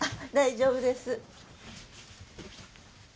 大丈夫です。